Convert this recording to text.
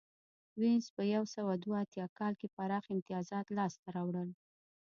وینز په یو سوه دوه اتیا کال کې پراخ امتیازات لاسته راوړل